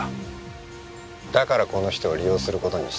だからこの人を利用する事にした。